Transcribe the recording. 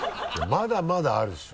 まだまだあるでしょ。